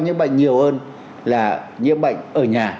nhiễm bệnh nhiều hơn là nhiễm bệnh ở nhà